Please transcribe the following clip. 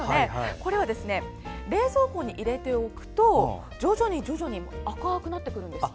これは冷蔵庫に入れておくと徐々に徐々に赤くなってくるんですって。